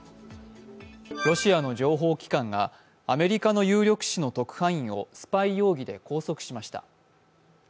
ロシアの情報機関が米国の有力紙の特派員をスパイ容疑で拘束しました。